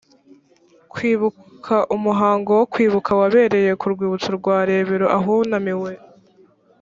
kwibuka umuhango wo kwibuka wabereye ku rwibutso rwa rebero ahunamiwe